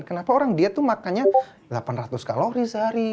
kenapa orang dia tuh makannya delapan ratus kalori sehari